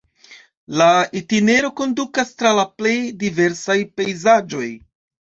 La itinero kondukas tra la plej diversaj pejzaĝoj.